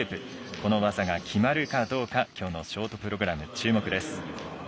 この技が決まるかどうかきょうのショートプログラム注目です。